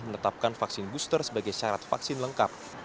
menetapkan vaksin booster sebagai syarat vaksin lengkap